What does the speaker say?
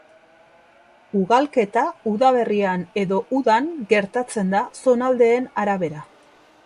Ugalketa udaberrian edo udan gertatzen da zonaldeen arabera.